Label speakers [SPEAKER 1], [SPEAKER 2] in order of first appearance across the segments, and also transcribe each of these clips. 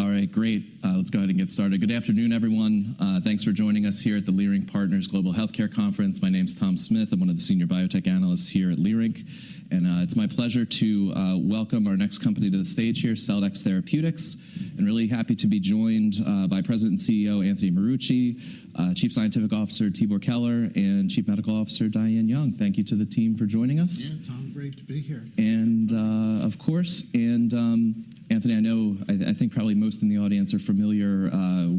[SPEAKER 1] All right, great. Let's go ahead and get started. Good afternoon, everyone. Thanks for joining us here at the Leerink Partners Global Healthcare Conference. My name is Tom Smith. I'm one of the senior biotech analysts here at Leerink. It's my pleasure to welcome our next company to the stage here, Celldex Therapeutics. Really happy to be joined by President and CEO Anthony Marucci, Chief Scientific Officer Tibor Keler, and Chief Medical Officer Diane Young. Thank you to the team for joining us.
[SPEAKER 2] Yeah, Tom, great to be here.
[SPEAKER 1] Anthony, I know, I think probably most in the audience are familiar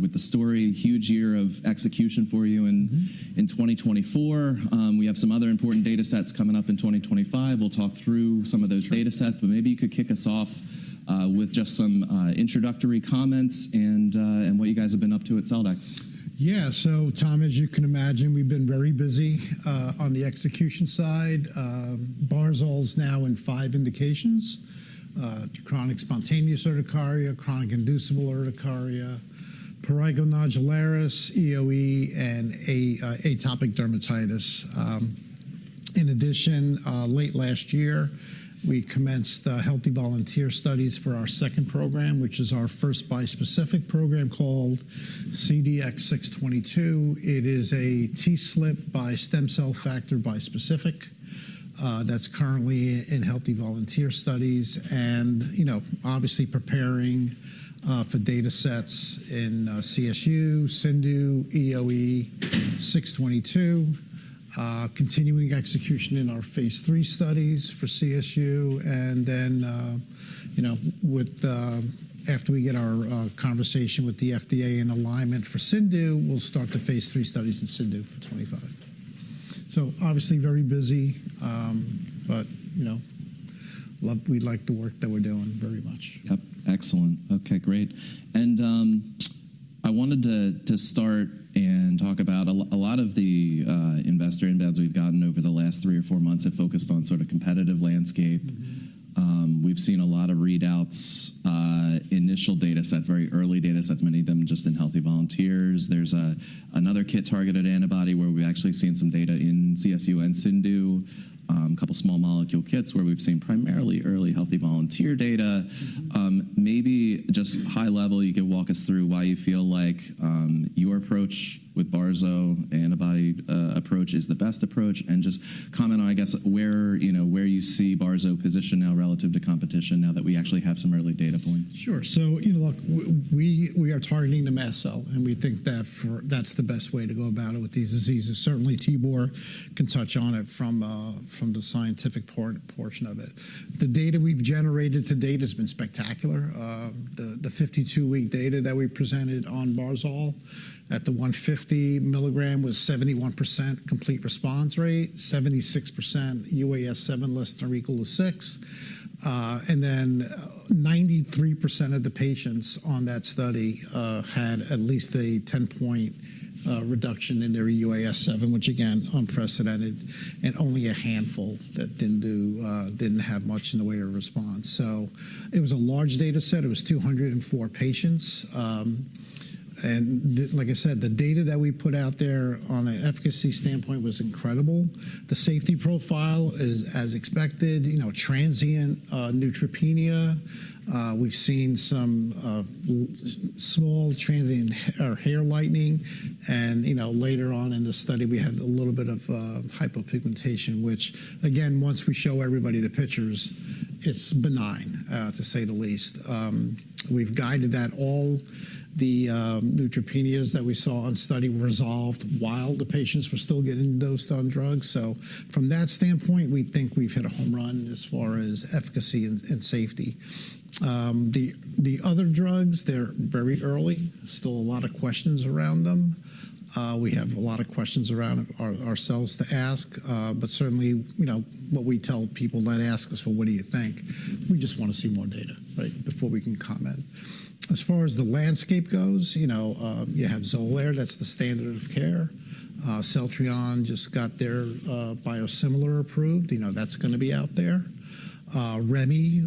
[SPEAKER 1] with the story. Huge year of execution for you in 2024. We have some other important data sets coming up in 2025. We'll talk through some of those data sets. Maybe you could kick us off with just some introductory comments and what you guys have been up to at Celldex.
[SPEAKER 2] Yeah, so Tom, as you can imagine, we've been very busy on the execution side. Barzolvolimab's now in five indications: chronic spontaneous urticaria, chronic inducible urticaria, prurigo nodularis, eosinophilic esophagitis, and atopic dermatitis. In addition, late last year, we commenced the healthy volunteer studies for our second program, which is our first bispecific program called CDX-622. It is a TSLP by stem cell factor bispecific that's currently in healthy volunteer studies. Obviously preparing for data sets in CSU, CIndU, eosinophilic esophagitis, CDX-622, continuing execution in our phase III studies for CSU. After we get our conversation with the FDA in alignment for CIndU, we'll start the phase III studies in CIndU for 2025. Obviously very busy, but we like the work that we're doing very much.
[SPEAKER 1] Yep, excellent. Okay, great. I wanted to start and talk about a lot of the investor inbounds we've gotten over the last three or four months have focused on sort of competitive landscape. We've seen a lot of readouts, initial data sets, very early data sets, many of them just in healthy volunteers. There's another KIT-targeted antibody where we've actually seen some data in CSU and CIndU, a couple of small molecule KITs where we've seen primarily early healthy volunteer data. Maybe just high level, you could walk us through why you feel like your approach with Barzolvolimab antibody approach is the best approach. Just comment on, I guess, where you see Barzolvolimab position now relative to competition now that we actually have some early data points.
[SPEAKER 2] Sure. So look, we are targeting the mast cell. And we think that that's the best way to go about it with these diseases. Certainly, Tibor can touch on it from the scientific portion of it. The data we've generated to date has been spectacular. The 52-week data that we presented on Barzolvolimab at the 150 milligram was 71% complete response rate, 76% UAS7 less than or equal to 6. And then 93% of the patients on that study had at least a 10-point reduction in their UAS7, which again, unprecedented, and only a handful that didn't have much in the way of response. It was a large data set. It was 204 patients. Like I said, the data that we put out there on an efficacy standpoint was incredible. The safety profile is as expected, transient neutropenia. We've seen some small transient or hair lightening. Later on in the study, we had a little bit of hypopigmentation, which again, once we show everybody the pictures, is benign, to say the least. We have guided that all the neutropenias that we saw on study resolved while the patients were still getting dosed on drugs. From that standpoint, we think we've hit a home run as far as efficacy and safety. The other drugs, they're very early. Still a lot of questions around them. We have a lot of questions around ourselves to ask. Certainly, what we tell people that ask us, what do you think, is we just want to see more data before we can comment. As far as the landscape goes, you have Xolair. That's the standard of care. Celltrion just got their biosimilar approved. That's going to be out there. Remi,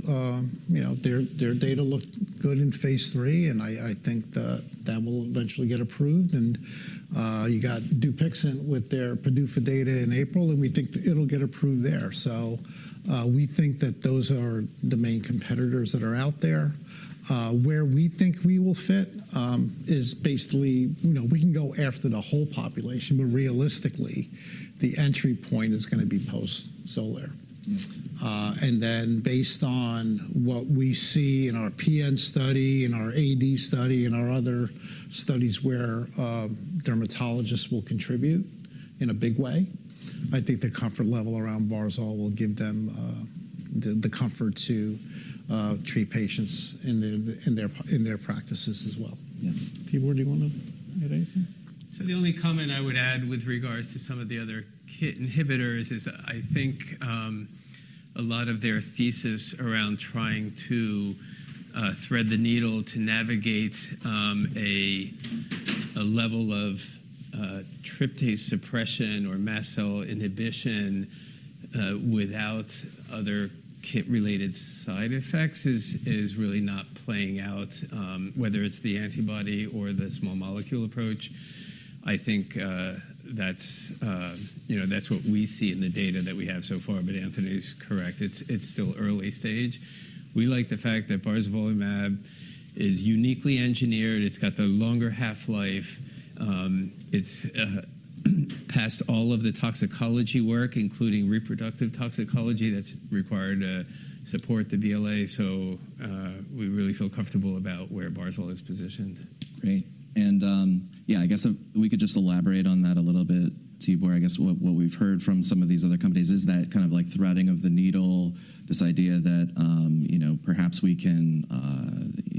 [SPEAKER 2] their data looked good in phase III. I think that that will eventually get approved. You got Dupixent with their PDUFA date in April. We think it'll get approved there. We think that those are the main competitors that are out there. Where we think we will fit is basically we can go after the whole population. Realistically, the entry point is going to be post-Xolair. Based on what we see in our PN study, in our AD study, and our other studies where dermatologists will contribute in a big way, I think the comfort level around Barzolvolimab will give them the comfort to treat patients in their practices as well.
[SPEAKER 3] Yeah. Tibor, do you want to add anything?
[SPEAKER 4] The only comment I would add with regards to some of the other KIT inhibitors is I think a lot of their thesis around trying to thread the needle to navigate a level of tryptase suppression or mast cell inhibition without other KIT-related side effects is really not playing out, whether it's the antibody or the small molecule approach. I think that's what we see in the data that we have so far. Anthony's correct. It's still early stage. We like the fact that Barzolvolimab is uniquely engineered. It's got the longer half-life. It's past all of the toxicology work, including reproductive toxicology that's required to support the BLA. We really feel comfortable about where Barzolvolimab is positioned.
[SPEAKER 1] Great. Yeah, I guess we could just elaborate on that a little bit, Tibor. I guess what we've heard from some of these other companies is that kind of like threading of the needle, this idea that perhaps we can inhibit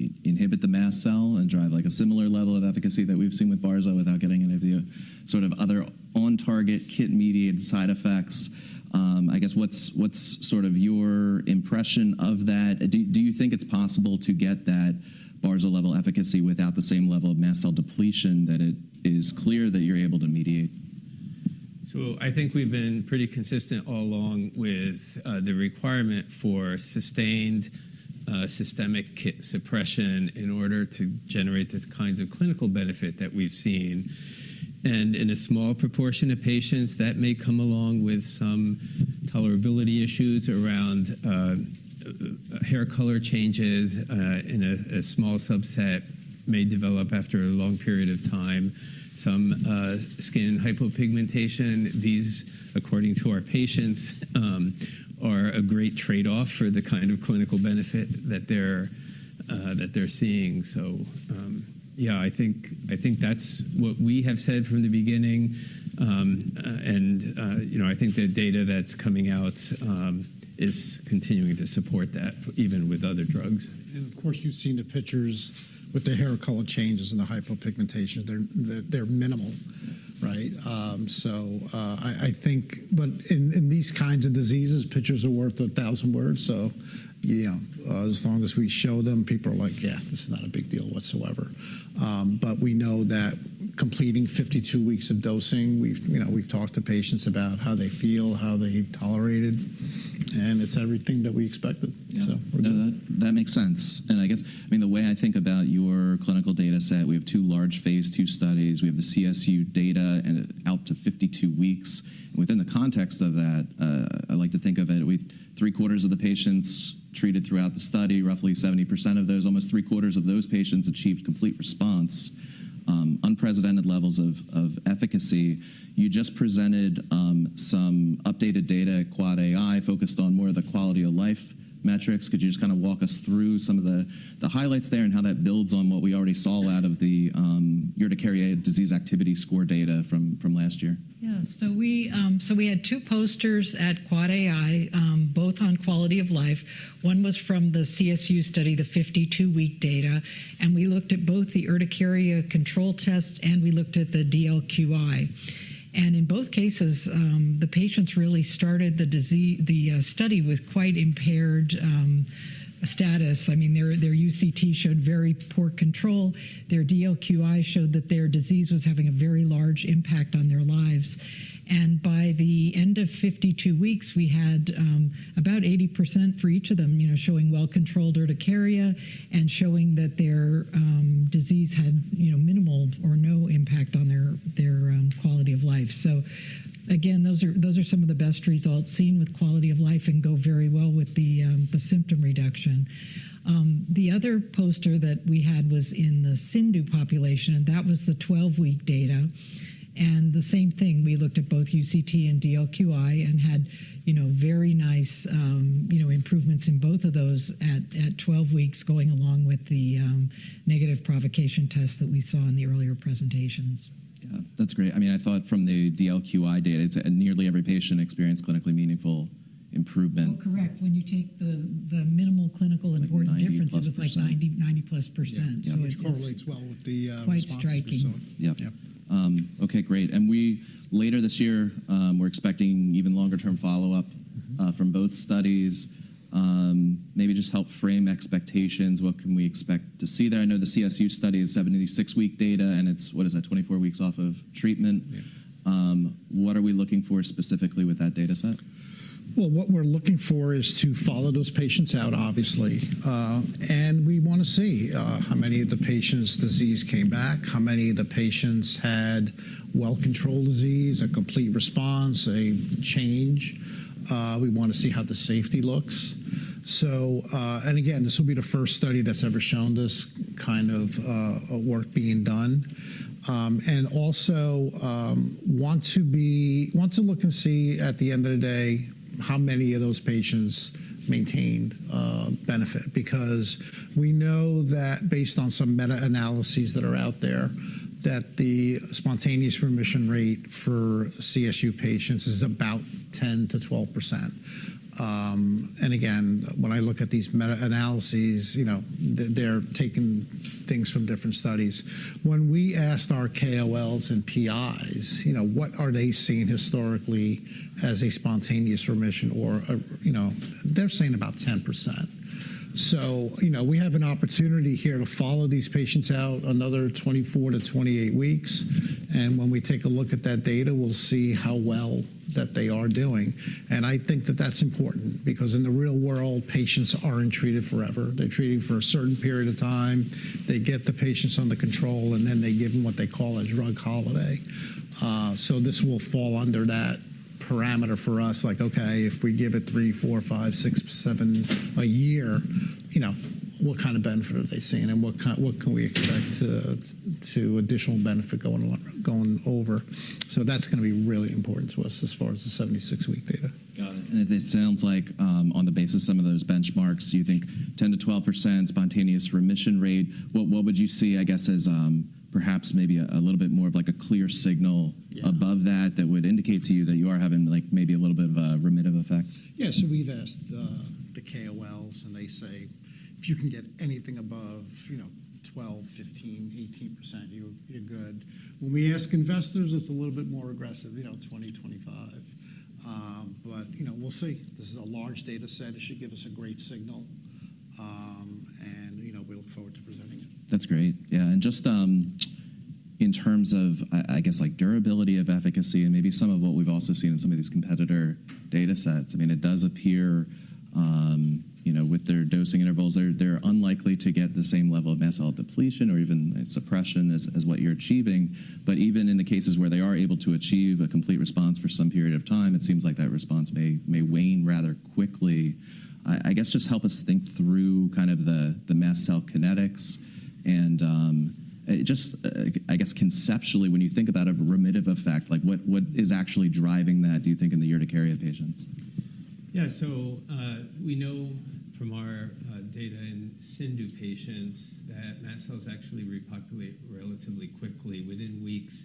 [SPEAKER 1] the mast cell and drive a similar level of efficacy that we've seen with Barzolvolimab without getting any of the sort of other on-target KIT-mediated side effects. I guess what's sort of your impression of that? Do you think it's possible to get that Barzolvolimab level efficacy without the same level of mast cell depletion that it is clear that you're able to mediate?
[SPEAKER 4] I think we've been pretty consistent all along with the requirement for sustained systemic KIT suppression in order to generate the kinds of clinical benefit that we've seen. In a small proportion of patients, that may come along with some tolerability issues around hair color changes, and a small subset may develop, after a long period of time, some skin hypopigmentation. These, according to our patients, are a great trade-off for the kind of clinical benefit that they're seeing. I think that's what we have said from the beginning. I think the data that's coming out is continuing to support that even with other drugs.
[SPEAKER 2] Of course, you've seen the pictures with the hair color changes and the hypopigmentation. They're minimal, right? I think, in these kinds of diseases, pictures are worth a thousand words. As long as we show them, people are like, yeah, this is not a big deal whatsoever. We know that completing 52 weeks of dosing, we've talked to patients about how they feel, how they tolerate it. It's everything that we expected.
[SPEAKER 1] Yeah, that makes sense. I guess, I mean, the way I think about your clinical data set, we have two large phase II studies. We have the CSU data and out to 52 weeks. Within the context of that, I like to think of it with three quarters of the patients treated throughout the study, roughly 70% of those, almost three quarters of those patients achieved complete response, unprecedented levels of efficacy. You just presented some updated data at Quad AI focused on more of the quality-of-life metrics. Could you just kind of walk us through some of the highlights there and how that builds on what we already saw out of the urticaria disease activity score data from last year?
[SPEAKER 5] Yeah, so we had two posters at Quad AI, both on quality of life. One was from the CSU study, the 52-week data. We looked at both the Urticaria Control Test and we looked at the DLQI. In both cases, the patients really started the study with quite impaired status. I mean, their UCT showed very poor control. Their DLQI showed that their disease was having a very large impact on their lives. By the end of 52 weeks, we had about 80% for each of them showing well-controlled urticaria and showing that their disease had minimal or no impact on their quality of life. Those are some of the best results seen with quality of life and go very well with the symptom reduction. The other poster that we had was in the CIndU population. That was the 12-week data. The same thing, we looked at both UCT and DLQI and had very nice improvements in both of those at 12 weeks going along with the negative provocation test that we saw in the earlier presentations.
[SPEAKER 1] Yeah, that's great. I mean, I thought from the DLQI data, nearly every patient experienced clinically meaningful improvement.
[SPEAKER 5] Correct. When you take the minimal clinical important difference, it was like 90-plus %.
[SPEAKER 2] Yeah, which correlates well with the response.
[SPEAKER 5] Quite striking.
[SPEAKER 1] Yep. Okay, great. And we, later this year, we're expecting even longer-term follow-up from both studies. Maybe just help frame expectations. What can we expect to see there? I know the CSU study is 76-week data. It's, what is that, 24 weeks off of treatment? What are we looking for specifically with that data set?
[SPEAKER 2] What we're looking for is to follow those patients out, obviously. We want to see how many of the patients' disease came back, how many of the patients had well-controlled disease, a complete response, a change. We want to see how the safety looks. This will be the first study that's ever shown this kind of work being done. We also want to look and see at the end of the day how many of those patients maintained benefit. Because we know that based on some meta-analyses that are out there, the spontaneous remission rate for CSU patients is about 10%-12%. When I look at these meta-analyses, they're taking things from different studies. When we asked our KOLs and PIs, what are they seeing historically as a spontaneous remission, they're saying about 10%. We have an opportunity here to follow these patients out another 24 to 28 weeks. When we take a look at that data, we'll see how well that they are doing. I think that that's important because in the real world, patients aren't treated forever. They're treated for a certain period of time. They get the patients under control. Then they give them what they call a drug holiday. This will fall under that parameter for us. Like, okay, if we give it three, four, five, six, seven, a year, what kind of benefit are they seeing? What can we expect to additional benefit going over? That's going to be really important to us as far as the 76-week data.
[SPEAKER 1] Got it. It sounds like on the basis of some of those benchmarks, you think 10%-12% spontaneous remission rate, what would you see, I guess, as perhaps maybe a little bit more of like a clear signal above that that would indicate to you that you are having maybe a little bit of a remitted effect?
[SPEAKER 2] Yeah, so we've asked the KOLs. And they say if you can get anything above 12%, 15%, 18%, you're good. When we ask investors, it's a little bit more aggressive, 20%, 25%. But we'll see. This is a large data set. It should give us a great signal. And we look forward to presenting it.
[SPEAKER 1] That's great. Yeah. Just in terms of, I guess, durability of efficacy and maybe some of what we've also seen in some of these competitor data sets, I mean, it does appear with their dosing intervals, they're unlikely to get the same level of mast cell depletion or even suppression as what you're achieving. Even in the cases where they are able to achieve a complete response for some period of time, it seems like that response may wane rather quickly. I guess just help us think through kind of the mast cell kinetics. Just, I guess, conceptually, when you think about a remitted effect, what is actually driving that, do you think, in the urticaria patients?
[SPEAKER 4] Yeah, so we know from our data in CIndU patients that mast cells actually repopulate relatively quickly within weeks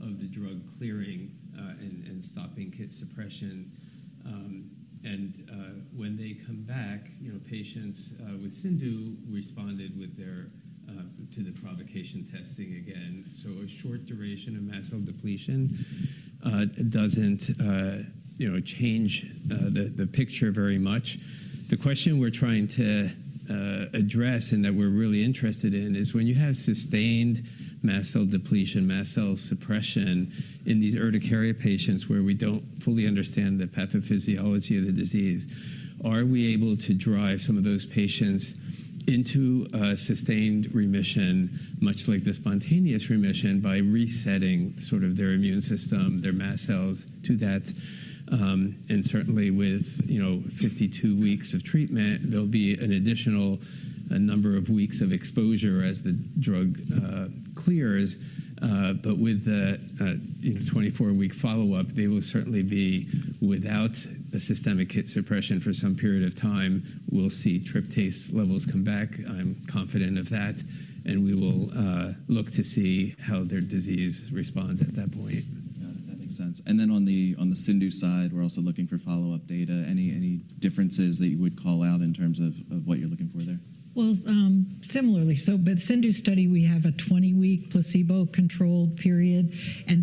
[SPEAKER 4] of the drug clearing and stopping KIT suppression. When they come back, patients with CIndU responded to the provocation testing again. A short duration of mast cell depletion does not change the picture very much. The question we are trying to address and that we are really interested in is when you have sustained mast cell depletion, mast cell suppression in these urticaria patients where we do not fully understand the pathophysiology of the disease, are we able to drive some of those patients into sustained remission, much like the spontaneous remission, by resetting sort of their immune system, their mast cells to that? Certainly with 52 weeks of treatment, there will be an additional number of weeks of exposure as the drug clears. With the 24-week follow-up, they will certainly be without a systemic KIT suppression for some period of time. We'll see tryptase levels come back. I'm confident of that. We will look to see how their disease responds at that point.
[SPEAKER 1] Got it. That makes sense. On the CIndU side, we're also looking for follow-up data. Any differences that you would call out in terms of what you're looking for there?
[SPEAKER 5] Similarly, with the CIndU study, we have a 20-week placebo-controlled period.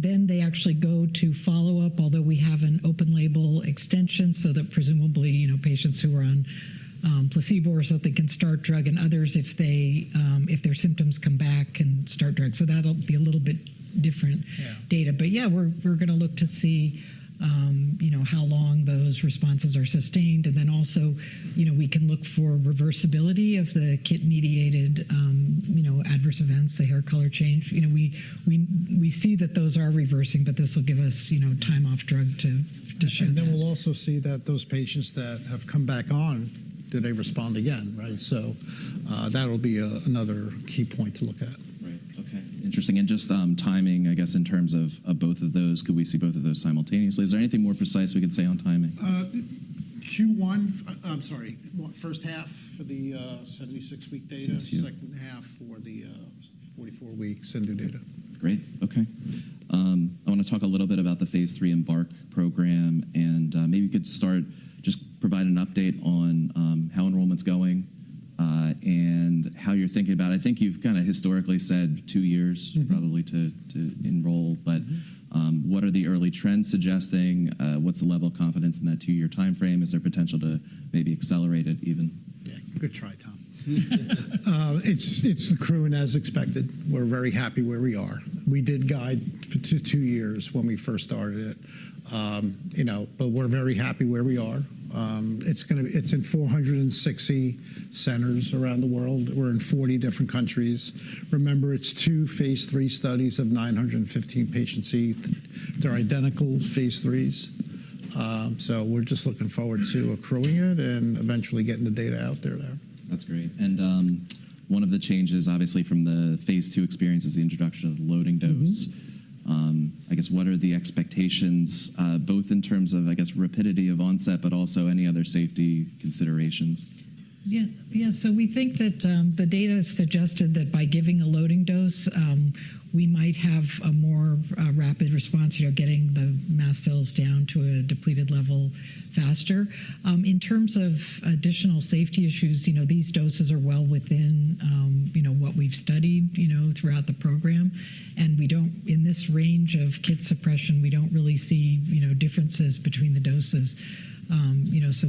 [SPEAKER 5] They actually go to follow-up, although we have an open-label extension so that presumably patients who are on placebo or something can start drug. Others, if their symptoms come back, can start drug. That will be a little bit different data. Yeah, we are going to look to see how long those responses are sustained. Also, we can look for reversibility of the KIT-mediated adverse events, the hair color change. We see that those are reversing. This will give us time off drug to show.
[SPEAKER 2] We will also see that those patients that have come back on, did they respond again? That will be another key point to look at.
[SPEAKER 1] Right. Okay. Interesting. Just timing, I guess, in terms of both of those, could we see both of those simultaneously? Is there anything more precise we can say on timing?
[SPEAKER 2] Q1, I'm sorry, first half for the 76-week data, second half for the 44-week CIndU data.
[SPEAKER 1] Great. Okay. I want to talk a little bit about the phase III EMBARQ program. Maybe you could start, just provide an update on how enrollment's going and how you're thinking about it. I think you've kind of historically said two years probably to enroll. What are the early trends suggesting? What's the level of confidence in that two-year time frame? Is there potential to maybe accelerate it even?
[SPEAKER 2] Yeah, good try, Tom. It's the crew, and as expected, we're very happy where we are. We did guide to two years when we first started it. We're very happy where we are. It's in 460 centers around the world. We're in 40 different countries. Remember, it's two phase III studies of 915 patients each. They're identical phase IIIs. We're just looking forward to accruing it and eventually getting the data out there now.
[SPEAKER 1] That's great. One of the changes, obviously, from the phase II experience is the introduction of the loading dose. I guess, what are the expectations, both in terms of, I guess, rapidity of onset, but also any other safety considerations?
[SPEAKER 5] Yeah, so we think that the data have suggested that by giving a loading dose, we might have a more rapid response to getting the mast cells down to a depleted level faster. In terms of additional safety issues, these doses are well within what we've studied throughout the program. In this range of KIT suppression, we don't really see differences between the doses.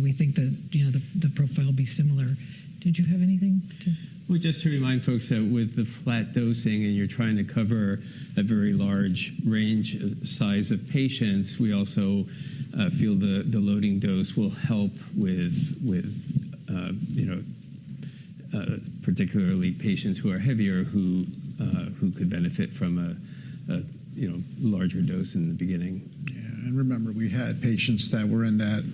[SPEAKER 5] We think that the profile will be similar. Did you have anything to?
[SPEAKER 4] Just to remind folks that with the flat dosing and you're trying to cover a very large range of size of patients, we also feel the loading dose will help with particularly patients who are heavier who could benefit from a larger dose in the beginning.
[SPEAKER 2] Yeah. Remember, we had patients that were in that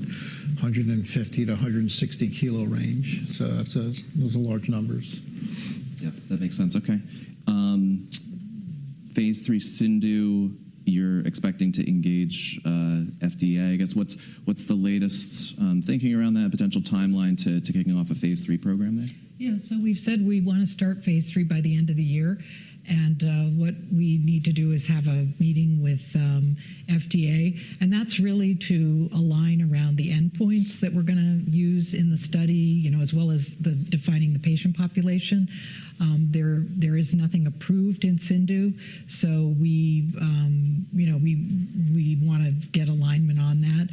[SPEAKER 2] 150-160 kilo range. Those are large numbers.
[SPEAKER 1] Yep, that makes sense. Okay. Phase III CIndU, you're expecting to engage FDA. I guess, what's the latest thinking around that potential timeline to kicking off a phase III program there?
[SPEAKER 5] Yeah, so we've said we want to start phase III by the end of the year. What we need to do is have a meeting with FDA. That's really to align around the endpoints that we're going to use in the study as well as defining the patient population. There is nothing approved in CIndU. We want to get alignment on that.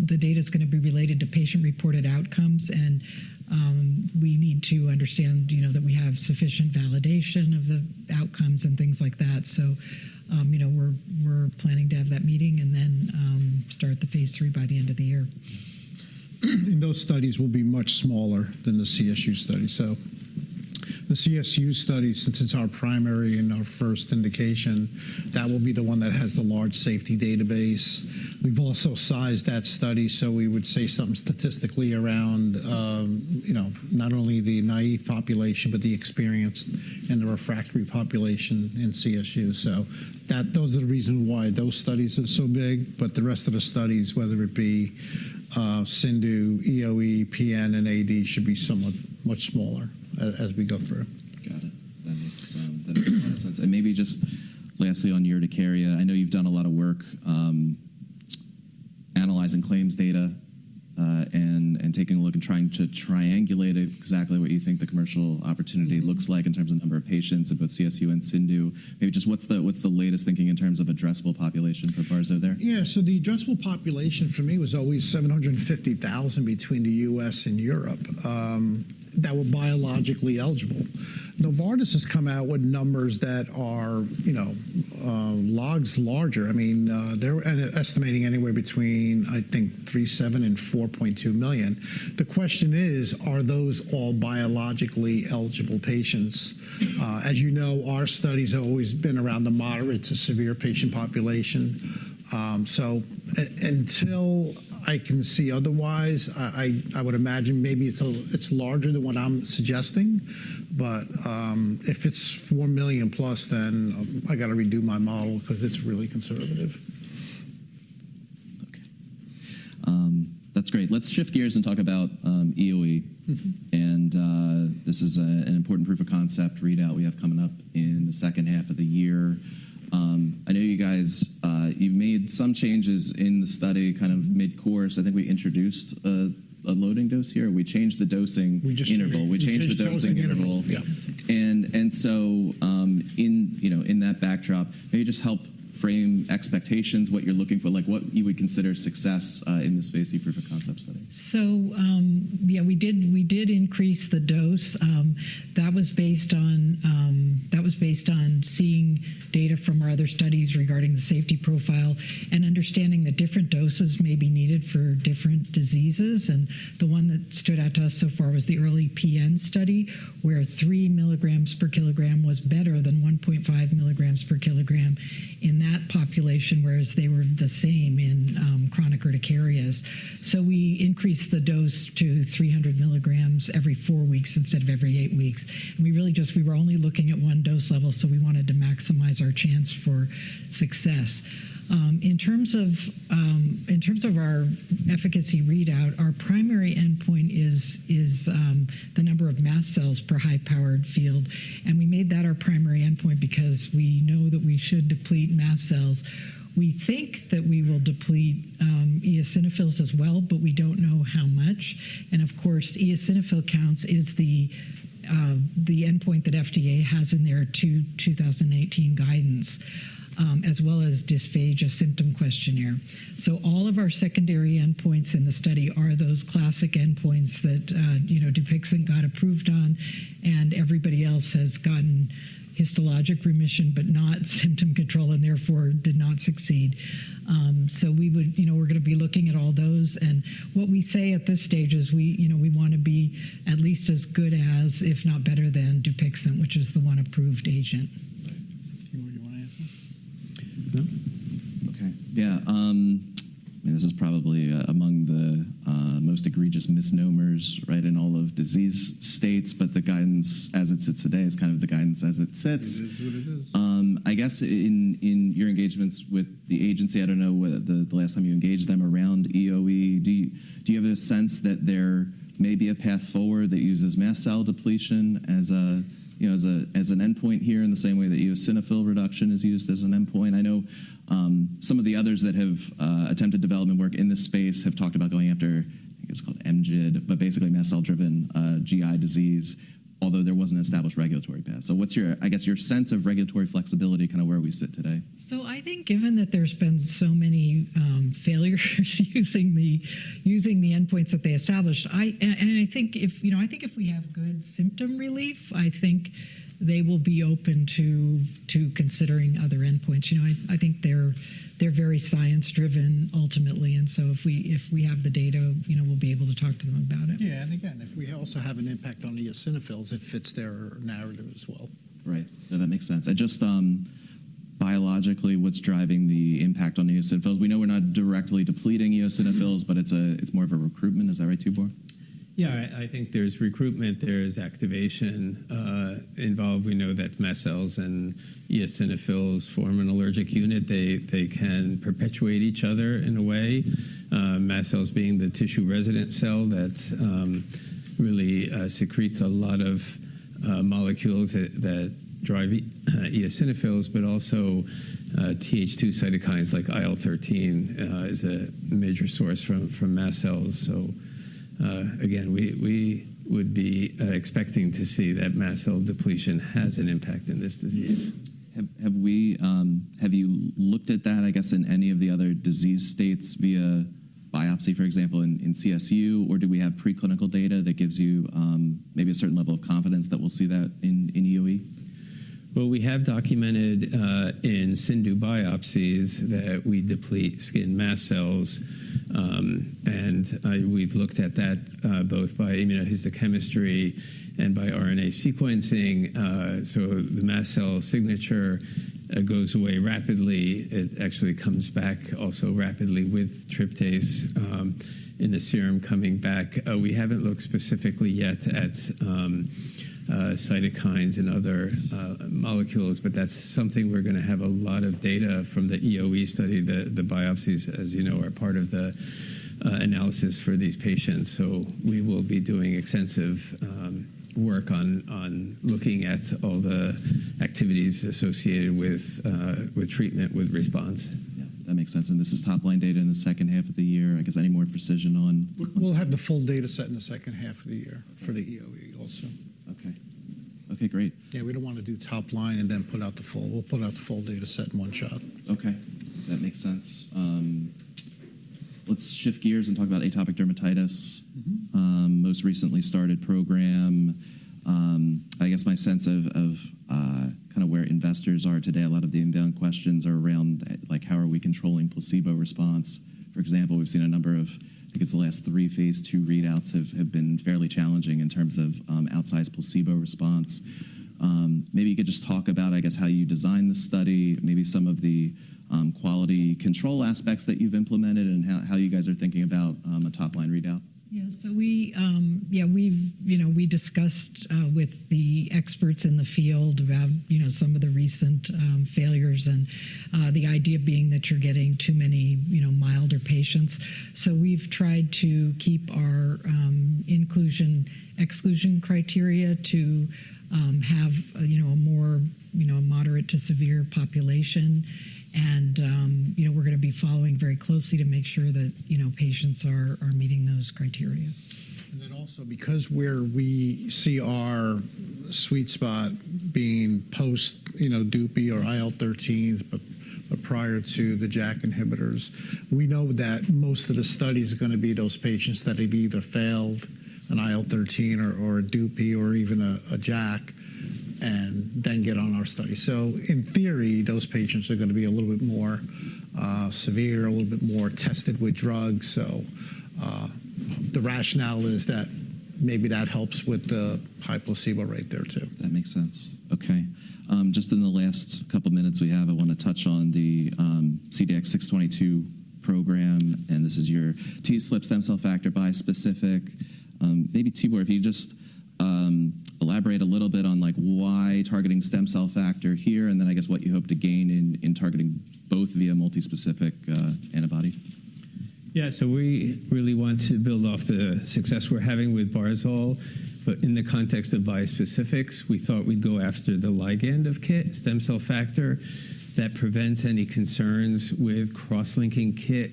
[SPEAKER 5] The data is going to be related to patient-reported outcomes. We need to understand that we have sufficient validation of the outcomes and things liaake that. We're planning to have that meeting and then start the phase III by the end of the year.
[SPEAKER 2] Those studies will be much smaller than the CSU study. The CSU study, since it's our primary and our first indication, that will be the one that has the large safety database. We've also sized that study. We would say something statistically around not only the naive population, but the experienced and the refractory population in CSU. Those are the reasons why those studies are so big. The rest of the studies, whether it be CIndU, EoE, PN, and AD, should be somewhat much smaller as we go through.
[SPEAKER 1] Got it. That makes a lot of sense. Maybe just lastly on urticaria, I know you've done a lot of work analyzing claims data and taking a look and trying to triangulate exactly what you think the commercial opportunity looks like in terms of number of patients in both CSU and CIndU. Maybe just what's the latest thinking in terms of addressable population proposal there?
[SPEAKER 2] Yeah, so the addressable population for me was always 750,000 between the U.S. and Europe that were biologically eligible. Novartis has come out with numbers that are logs larger. I mean, they're estimating anywhere between, I think, 3.7 and 4.2 million. The question is, are those all biologically eligible patients? As you know, our studies have always been around the moderate to severe patient population. Until I can see otherwise, I would imagine maybe it's larger than what I'm suggesting. If it's 4 million plus, then I got to redo my model because it's really conservative.
[SPEAKER 1] Okay. That's great. Let's shift gears and talk about EoE. This is an important proof of concept readout we have coming up in the second half of the year. I know you guys, you've made some changes in the study kind of mid-course. I think we introduced a loading dose here. We changed the dosing interval.
[SPEAKER 2] We just changed the dosing interval.
[SPEAKER 1] We changed the dosing interval. In that backdrop, maybe just help frame expectations, what you're looking for, like what you would consider success in this phase III proof of concept study.
[SPEAKER 5] Yeah, we did increase the dose. That was based on seeing data from our other studies regarding the safety profile and understanding that different doses may be needed for different diseases. The one that stood out to us so far was the early PN study where 3 milligrams per kilogram was better than 1.5 milligrams per kilogram in that population, whereas they were the same in chronic urticarias. We increased the dose to 300 milligrams every four weeks instead of every eight weeks. We really just were only looking at one dose level. We wanted to maximize our chance for success. In terms of our efficacy readout, our primary endpoint is the number of mast cells per high-powered field. We made that our primary endpoint because we know that we should deplete mast cells. We think that we will deplete eosinophils as well, but we don't know how much. Of course, eosinophil counts is the endpoint that FDA has in their 2018 guidance as well as Dysphagia Symptom Questionnaire. All of our secondary endpoints in the study are those classic endpoints that Dupixent got approved on. Everybody else has gotten histologic remission but not symptom control and therefore did not succeed. We are going to be looking at all those. What we say at this stage is we want to be at least as good as, if not better than, Dupixent, which is the one approved agent.
[SPEAKER 3] Right. Do you want to answer? No?
[SPEAKER 1] Okay. Yeah. I mean, this is probably among the most egregious misnomers in all of disease states. The guidance as it sits today is kind of the guidance as it sits.
[SPEAKER 2] It is what it is.
[SPEAKER 1] I guess in your engagements with the agency, I don't know the last time you engaged them around EoE. Do you have a sense that there may be a path forward that uses mast cell depletion as an endpoint here in the same way that eosinophil reduction is used as an endpoint? I know some of the others that have attempted development work in this space have talked about going after, I think it's called MGID, but basically mast cell-driven GI disease, although there wasn't an established regulatory path. What's your sense of regulatory flexibility kind of where we sit today?
[SPEAKER 5] I think given that there's been so many failures using the endpoints that they established, and I think if we have good symptom relief, I think they will be open to considering other endpoints. I think they're very science-driven ultimately. And if we have the data, we'll be able to talk to them about it.
[SPEAKER 2] Yeah. If we also have an impact on eosinophils, it fits their narrative as well.
[SPEAKER 1] Right. No, that makes sense. Just biologically, what's driving the impact on eosinophils? We know we're not directly depleting eosinophils, but it's more of a recruitment. Is that right, Tibor?
[SPEAKER 4] Yeah, I think there's recruitment. There is activation involved. We know that mast cells and eosinophils form an allergic unit. They can perpetuate each other in a way, mast cells being the tissue resident cell that really secretes a lot of molecules that drive eosinophils, but also TH2 cytokines like IL-13 is a major source from mast cells. Again, we would be expecting to see that mast cell depletion has an impact in this disease.
[SPEAKER 1] Have you looked at that, I guess, in any of the other disease states via biopsy, for example, in CSU? Or do we have preclinical data that gives you maybe a certain level of confidence that we'll see that in EoE?
[SPEAKER 4] We have documented in CIndU biopsies that we deplete skin mast cells. We have looked at that both by immunohistochemistry and by RNA sequencing. The mast cell signature goes away rapidly. It actually comes back also rapidly, with tryptase in the serum coming back. We have not looked specifically yet at cytokines and other molecules. That is something we are going to have a lot of data from the EoE study. The biopsies, as you know, are part of the analysis for these patients. We will be doing extensive work on looking at all the activities associated with treatment with response.
[SPEAKER 1] Yeah, that makes sense. This is top-line data in the second half of the year. I guess any more precision on?
[SPEAKER 2] We'll have the full data set in the second half of the year for the EoE also.
[SPEAKER 1] Okay. Okay, great.
[SPEAKER 2] Yeah, we don't want to do top-line and then pull out the full. We'll pull out the full data set in one shot.
[SPEAKER 1] Okay. That makes sense. Let's shift gears and talk about atopic dermatitis. Most recently started program. I guess my sense of kind of where investors are today, a lot of the inbound questions are around how are we controlling placebo response? For example, we've seen a number of, I guess, the last three phase II readouts have been fairly challenging in terms of outsized placebo response. Maybe you could just talk about, I guess, how you designed the study, maybe some of the quality control aspects that you've implemented, and how you guys are thinking about a top-line readout.
[SPEAKER 5] Yeah, we discussed with the experts in the field about some of the recent failures and the idea being that you're getting too many milder patients. We've tried to keep our inclusion-exclusion criteria to have a more moderate to severe population. We're going to be following very closely to make sure that patients are meeting those criteria.
[SPEAKER 2] We see our sweet spot being post-Dupi or IL-13, but prior to the JAK inhibitors. We know that most of the study is going to be those patients that have either failed an IL-13 or a Dupi or even a JAK and then get on our study. In theory, those patients are going to be a little bit more severe, a little bit more tested with drugs. The rationale is that maybe that helps with the high placebo rate there too.
[SPEAKER 1] That makes sense. Okay. Just in the last couple of minutes we have, I want to touch on the CDX-622 program. And this is your TSLP stem cell factor bispecific. Maybe Tibor, if you just elaborate a little bit on why targeting stem cell factor here and then I guess what you hope to gain in targeting both via multi-specific antibody.
[SPEAKER 4] Yeah, so we really want to build off the success we're having with Barzolvolimab. In the context of bispecifics, we thought we'd go after the ligand of KIT, stem cell factor, that prevents any concerns with cross-linking KIT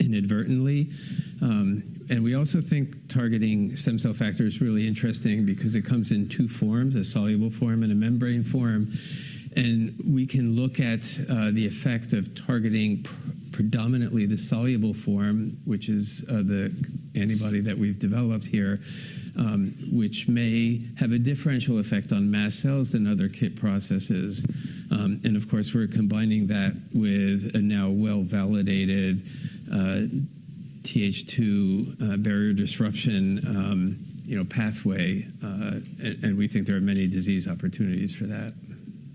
[SPEAKER 4] inadvertently. We also think targeting stem cell factor is really interesting because it comes in two forms, a soluble form and a membrane form. We can look at the effect of targeting predominantly the soluble form, which is the antibody that we've developed here, which may have a differential effect on mast cells than other KIT processes. Of course, we're combining that with a now well-validated TH2 barrier disruption pathway. We think there are many disease opportunities for that.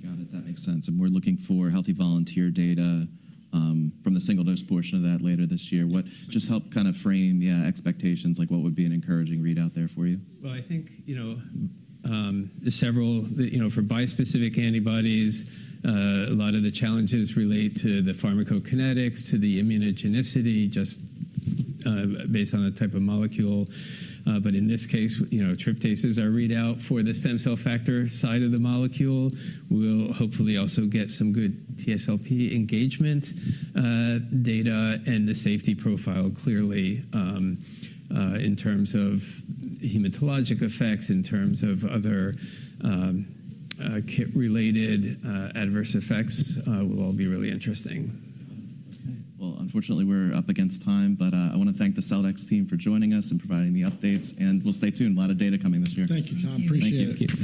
[SPEAKER 1] Got it. That makes sense. We are looking for healthy volunteer data from the single-dose portion of that later this year. Just help kind of frame expectations, like what would be an encouraging readout there for you?
[SPEAKER 4] I think for bispecific antibodies, a lot of the challenges relate to the pharmacokinetics, to the immunogenicity just based on the type of molecule. In this case, tryptase is our readout for the stem cell factor side of the molecule. We'll hopefully also get some good TSLP engagement data and the safety profile clearly in terms of hematologic effects, in terms of other KIT-related adverse effects. It will all be really interesting.
[SPEAKER 1] Unfortunately, we're up against time. I want to thank the Celldex team for joining us and providing the updates. We'll stay tuned. A lot of data coming this year.
[SPEAKER 2] Thank you, Tom. Appreciate it.